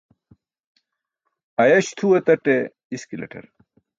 Ayaś tʰuu etaṭe iskilaṭar